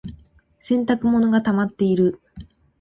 洗濯物がたまっている。